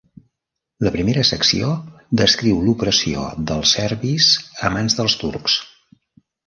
La primera secció descriu l'opressió dels serbis a mans dels turcs.